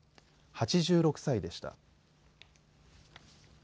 ８６歳でした。